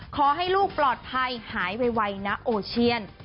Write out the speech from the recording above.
ขอให้ลูกปลอดภัยหายไวนะโอเชียน